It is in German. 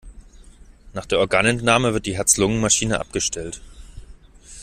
Nach der Organentnahme wird die Herz-Lungen-Maschine abgestellt.